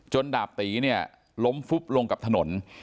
ดาบตีเนี่ยล้มฟุบลงกับถนน